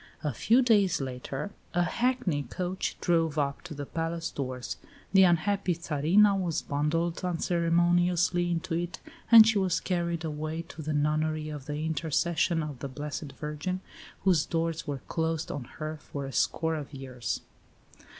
A few days later a hackney coach drove up to the palace doors; the unhappy Tsarina was bundled unceremoniously into it, and she was carried away to the nunnery of the "Intercession of the Blessed Virgin," whose doors were closed on her for a score of years.